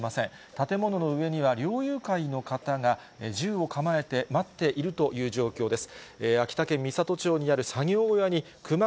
建物の上には、猟友会の方が銃を構えて待っているという状況です。